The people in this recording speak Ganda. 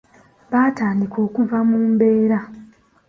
Baatandika okuva mu mbeera.